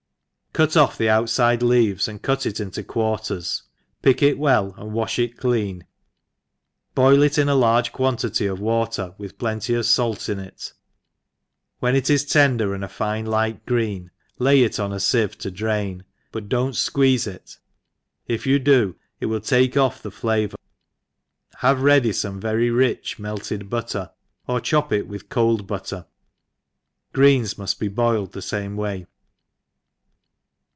CUT o^the outiide leaves, and cut it in quar^ ters, pick it well, and wa(h it clean, boil it in a large quantity of water, with plenty of fait in it I when it is tender, and a fine light green, lay \X on a fieve to drain, but don't fqueeze it, if you do,^ it will take off the flavour ; have ready fome very rich melted butter, or chop it with cold butter. — Greens muft be boiled the fame way.